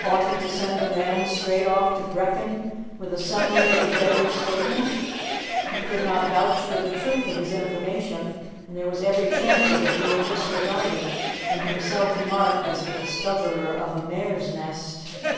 Ought he to send a man straight off to Brechin with a summary of the beggar's statement? He could not vouch for the truth of his information, and there was every chance of it being disregarded, and himself marked as the discoverer of a mare's nest.